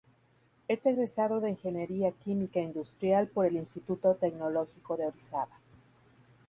Es egresado de Ingeniería Química Industrial por el Instituto Tecnológico de Orizaba.